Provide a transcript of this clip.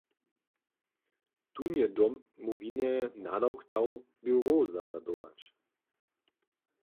Tón je Domowinje nadawk dał běrow zarjadować.